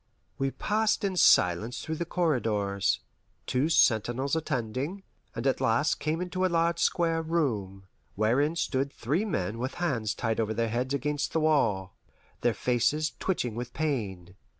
We passed in silence through the corridors, two sentinels attending, and at last came into a large square room, wherein stood three men with hands tied over their heads against the wall, their faces twitching with pain.